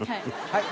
はい。